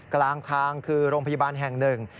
กลางทางคือโรงพยาบาลแห่งหนึ่ง